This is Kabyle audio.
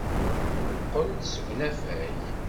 Yeqqel-d seg unafag.